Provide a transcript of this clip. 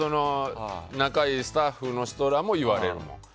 仲いいスタッフの人らも言われるもん。